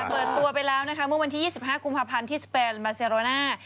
เปิดตัวไปแล้วนะคะเมื่อวันที่๒๕กุมภาพันธ์ที่สเปนมาเซโรน่า